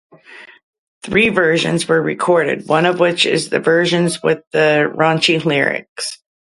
Three versions were recorded, one of which is the version with the raunchy lyrics.